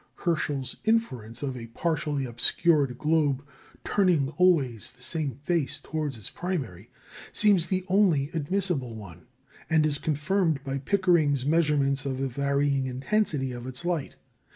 Herschel's inference of a partially obscured globe turning always the same face towards its primary seems the only admissible one, and is confirmed by Pickering's measurements of the varying intensity of its light.